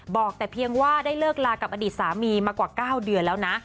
บอกแต่เพียงว่าได้เลิกลากับอดีตสามีมากว่า๙เดือนแล้วนะ